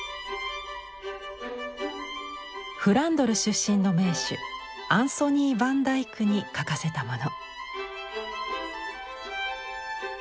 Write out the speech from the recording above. フランドル出身の名手アンソニー・ヴァン・ダイクに描かせたもの。